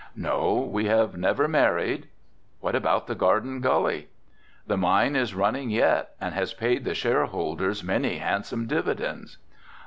"No, we have never married." "What about the Garden Gully?" "The mine is running yet and has paid the shareholders many handsome dividends."